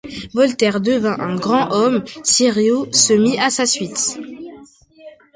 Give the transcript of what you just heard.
Voltaire devint un grand homme, Thieriot se mit à sa suite.